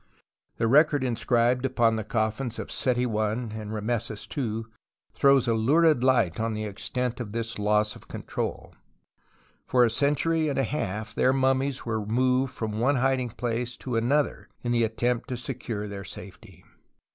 The record inscribed upon the coffins of Seti I and Rameses II throws a lurid light on the extent of this loss of control. For a century and a half their mummies were moved from one hiding place to another in the attempt to secure their safety.